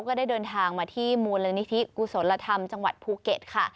ก็ได้เดินทางมาที่มูลนิธิกุศลธรรมจังหวัดภูเก็ตค่ะ